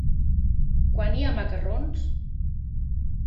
Quan hi ha macarrons?